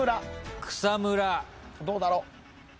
どうだろう？